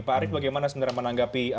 pak arief bagaimana sebenarnya menanggapi